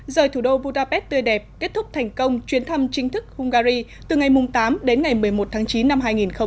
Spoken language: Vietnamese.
rời thủ đô budapest tươi đẹp kết thúc thành công chuyến thăm chính thức hungary từ ngày tám đến ngày một mươi một tháng chín năm hai nghìn hai mươi